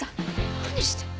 何してんの。